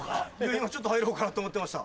今ちょっと入ろうかなって思ってました。